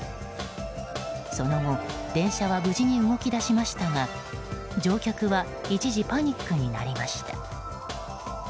その後、電車は無事に動き出しましたが乗客は一時パニックになりました。